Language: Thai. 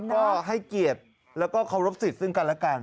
ก็ให้เกียรติแล้วก็เคารพสิทธิ์ซึ่งกันแล้วกัน